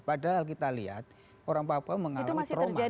padahal kita lihat orang papua mengalami trauma